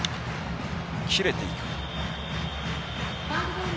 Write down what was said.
切れていく。